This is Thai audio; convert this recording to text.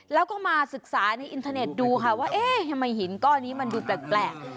แล้วก็มาศึกษาในอินเทอร์เน็ตดูค่ะว่าเอ๊ะทำไมหินก้อนนี้มันดูแปลก